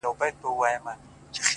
گوندې زما له لاسه تاته هم پېغور جوړ سي”